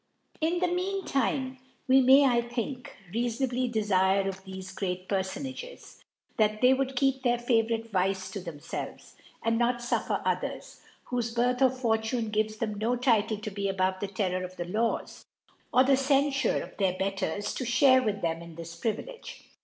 In the mean time we may, I think, rea fonably defirc of thefe great Pcrlbhages^ that they would keep their favourite Vice to thimfelves, and not fuffer others, whofe Birtii or Fortune gives them no Title to be above the Terrour of the Laws, or the Ccnfure of their Betters, to (hare with them in this Privilege.